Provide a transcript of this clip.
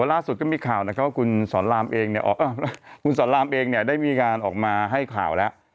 เวลาสุดก็มีข่าวน่ะว่าคุณสอนลามเองน่ะได้การพอได้ออกมาให้ข่าวแล้ว